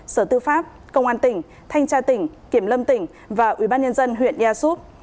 sở tư pháp công an tỉnh thanh tra tỉnh kiểm lâm tỉnh và ubnd huyện gia súp